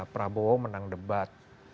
prabowo menang debat